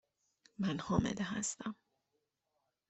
من حامله هستم.